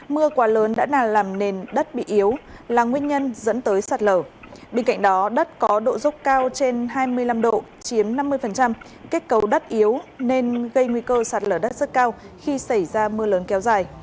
mưa quá lớn đã làm nền đất bị yếu là nguyên nhân dẫn tới sạt lở bên cạnh đó đất có độ dốc cao trên hai mươi năm độ chiếm năm mươi kết cấu đất yếu nên gây nguy cơ sạt lở đất rất cao khi xảy ra mưa lớn kéo dài